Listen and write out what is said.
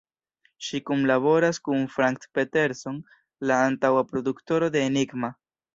Ŝi kunlaboras kun Frank Peterson, la antaŭa produktoro de Enigma.